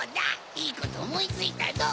いいことおもいついたぞ！